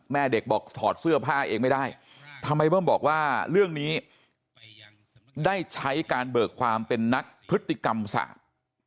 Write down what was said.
แม่เด็กบอกถอดเสื้อผ้าเองไม่ได้ทำไมเบิ้มบอกว่าเรื่องนี้ได้ใช้การเบิกความเป็นนักพฤติกรรมศาสตร์